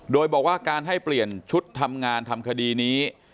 โดยบอกว่าการให้เปลี่ยนชุดทำงานทำคดีนี้